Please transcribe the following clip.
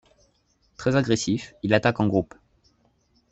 Très agressif, il attaque en groupe.